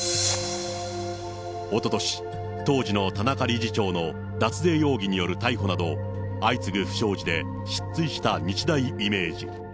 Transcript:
おととし、当時の田中理事長の脱税容疑による逮捕など、相次ぐ不祥事で失墜した日大イメージ。